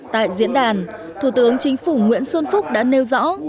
tại diễn đàn thủ tướng chính phủ nguyễn xuân phúc đã nêu rõ